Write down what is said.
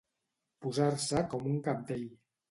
Posar-se com un cabdell.